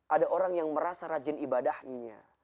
ada orang yang merasa rajin ibadahnya